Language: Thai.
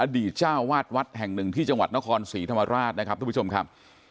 เจ้าวาดวัดแห่งหนึ่งที่จังหวัดนครศรีธรรมราชนะครับทุกผู้ชมครับ